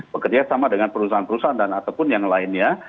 bekerja sama dengan perusahaan perusahaan dan ataupun yang lainnya